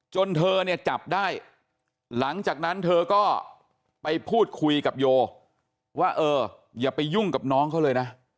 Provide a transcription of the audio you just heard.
เธอเนี่ยจับได้หลังจากนั้นเธอก็ไปพูดคุยกับโยว่าเอออย่าไปยุ่งกับน้องเขาเลยนะ